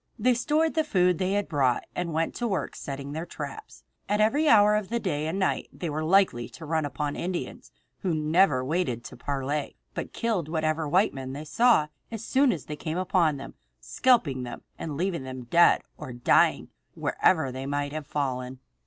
They stored the food they had brought and went to work setting their traps. At every hour of the day and night they were likely to run upon Indians, who never waited to parley, but killed whatever white men they saw as soon as they came upon them, scalping them and leaving them dead or dying wherever they might have fallen.